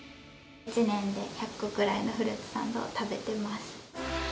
１年で１００個ぐらいのフルーツサンドを食べています。